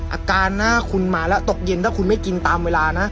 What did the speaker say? อาการหน้าคุณมาแล้วตกเย็นถ้าคุณไม่กินตามเวลานะ